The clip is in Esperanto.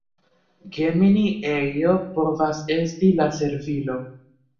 Gemini ejo povas esti la servilo.